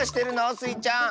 スイちゃん。